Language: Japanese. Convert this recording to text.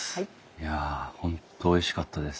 いや本当おいしかったです。